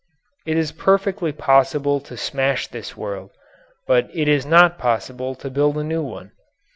It is perfectly possible to smash this world, but it is not possible to build a new one.